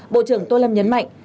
bộ trưởng tô lâm nhấn mạnh